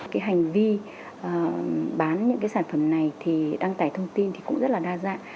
cái hành vi bán những cái sản phẩm này thì đăng tải thông tin thì cũng rất là đa dạng